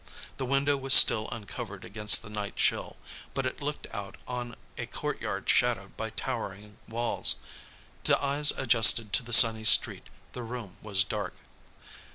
The window was still uncovered against the night chill, but it looked out on a courtyard shadowed by towering walls. To eyes adjusted to the sunny street, the room was dark.